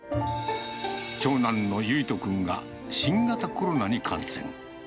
長男のゆいと君が新型コロナに感染。